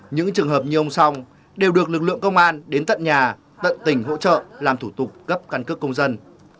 những trường hợp như ông song đều được lực lượng công an đến tận nhà tận tỉnh hỗ trợ làm thủ tục cấp căn cước công dân